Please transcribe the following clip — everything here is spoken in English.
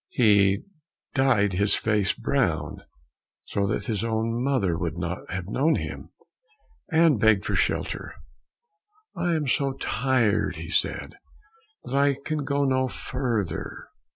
He dyed his face brown, so that his own mother would not have known him; and begged for shelter: "I am so tired," said he, "that I can go no further."